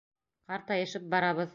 Ҡартайышып барабыҙ...